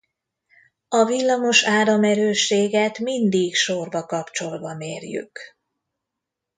A villamos áramerősséget mindig sorba kapcsolva mérjük!